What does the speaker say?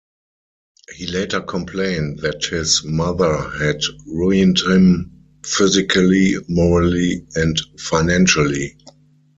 He later complained that his mother had "ruined him physically, morally and financially".